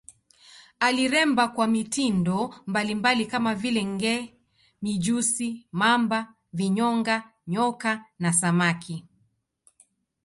Aliremba kwa mitindo mbalimbali kama vile nge, mijusi, mamba, vinyonga, nyoka na samaki.